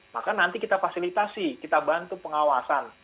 maka nanti kita fasilitasi kita bantu pengawasan